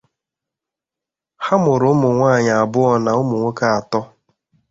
Ha mụrụ ụmụ nwanyị abụọ na ụmụ nwoke atọ.